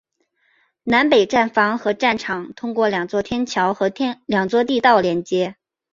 南北站房和站场通过两座天桥和两座地道连接。